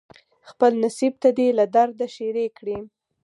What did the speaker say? خپل نصیب ته دې له درده ښیرې کړي